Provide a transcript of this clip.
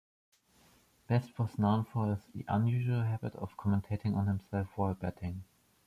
Best was known for his unusual habit of commentating on himself while batting.